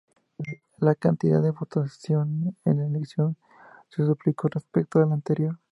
La cantidad de votantes en la elección se duplicó respecto a la anterior.